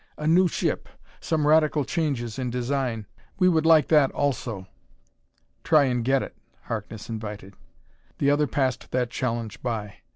"A new ship; some radical changes in design. We would like that also." "Try and get it," Harkness invited. The other passed that challenge by.